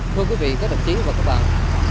thưa quý vị các đặc trí và các bạn